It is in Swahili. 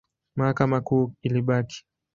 Mahakama Kuu ilibaki.